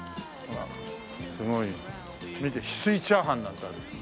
すごい見て翡翠チャーハンなんてある。